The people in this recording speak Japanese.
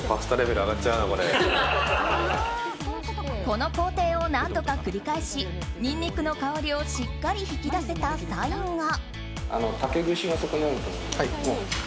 この工程を何度か繰り返しニンニクの香りをしっかり引き出せたサインが。